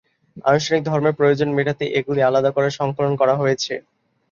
আনুষ্ঠানিক ধর্মের প্রয়োজন মেটাতে এগুলি আলাদা করে সংকলিত করা হয়েছে।